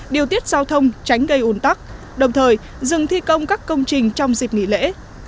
điều tiết giao thông tránh gây ủn tắc đồng thời dừng thi công các công trình trong dịp nghỉ lễ